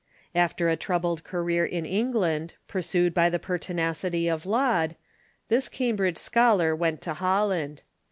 After a troubled career in England, pursued by the pertinacity of Laud, this Cam bridge scholar went to Holland.